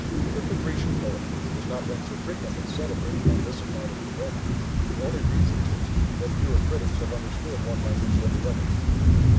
If the Grecian poet has not been so frequently celebrated on this account as the Roman, the only reason is, that fewer critics have understood one language than the other.